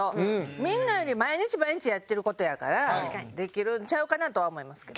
みんなより毎日毎日やってる事やからできるんちゃうかなとは思いますけど。